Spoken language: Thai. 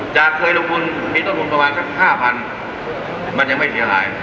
จะเคยลงคุณมีต้นลงประมาณสักห้าพันมันยังไม่เสียหาย